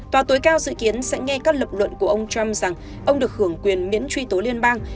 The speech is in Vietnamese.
tòa tối cao dự kiến sẽ nghe các lập luận của ông trump rằng ông được hưởng quyền miễn truy tố liên bang